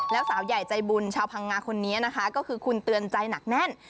แล้วสาวใหญ่ใจบุญชาวพังงาคนนี้นะคะก็คือคุณเตือนใจหนักแน่น